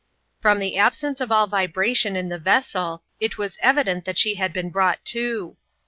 From the absence of all vibration, in the vessel, it was evident that she had been brought to.